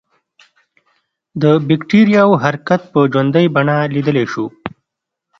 د بکټریاوو حرکت په ژوندۍ بڼه لیدلای شو.